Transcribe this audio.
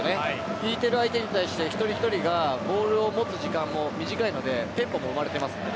引いてる相手に対して一人一人がボールを持つ時間も短いのでテンポも生まれていますよね。